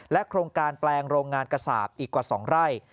โครงการแปลงโรงงานกระสาปอีกกว่า๒ไร่